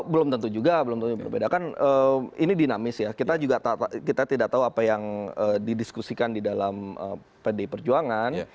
belum tentu juga belum tentu berbeda kan ini dinamis ya kita juga kita tidak tahu apa yang didiskusikan di dalam pdi perjuangan